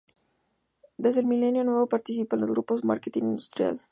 Desde el milenio nuevo participa en los Grupos Marketing Industrial.